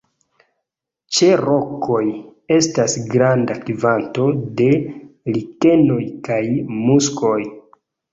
Ĉe rokoj estas granda kvanto de likenoj kaj muskoj.